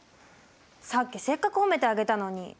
さっきせっかく褒めてあげたのに。